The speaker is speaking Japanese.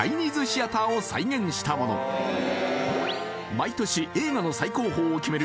毎年映画の最高峰を決める